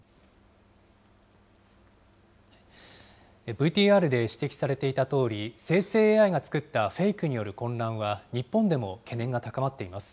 ＶＴＲで指摘されていたとおり、生成ＡＩが作ったフェイクによる混乱は、日本でも懸念が高まっています。